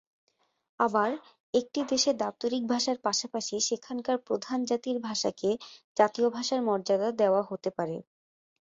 আবার একটি দেশে দাপ্তরিক ভাষার পাশাপাশি সেখানকার প্রধান জাতির ভাষাকে জাতীয় ভাষার মর্যাদা দেওয়া হতে পারে।